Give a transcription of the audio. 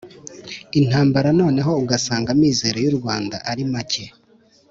intambara noneho ugasanga amizero y'u rwanda ari make.